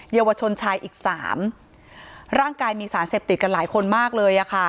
เยาวชนชายอีกสามร่างกายมีสารเสพติดกันหลายคนมากเลยอ่ะค่ะ